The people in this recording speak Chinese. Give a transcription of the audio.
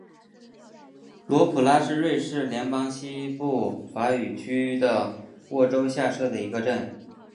罗普拉是瑞士联邦西部法语区的沃州下设的一个镇。